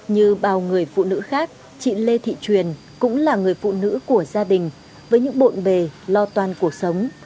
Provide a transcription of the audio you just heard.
như bao người phụ nữ khác chị lê thị truyền cũng là người phụ nữ của gia đình với những bộn bề lo toan cuộc sống